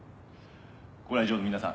ご来場の皆さん。